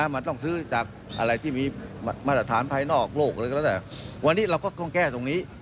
มันต้องซื้อจากอะไรที่มีมาตรฐานภายนอกโลกอะไรก็แล้วแต่วันนี้เราก็ต้องแก้ตรงนี้